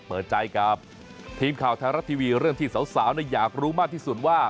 เปิดใจกับทีมข่าวไทยรัฐทีวีเรื่องที่สาวอยากรู้มากที่สุดว่า